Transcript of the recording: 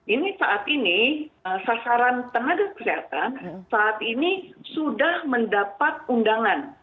ini saat ini sasaran tenaga kesehatan saat ini sudah mendapat undangan